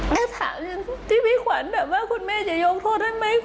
แม่ถามเรื่องที่พี่ขวัญแบบว่าคุณแม่จะยกโทษให้ไหม